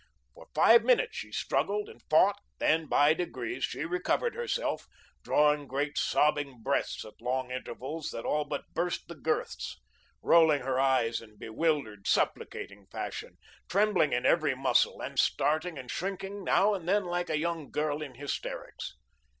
For five minutes she struggled and fought; then, by degrees, she recovered herself, drawing great sobbing breaths at long intervals that all but burst the girths, rolling her eyes in bewildered, supplicating fashion, trembling in every muscle, and starting and shrinking now and then like a young girl in hysterics.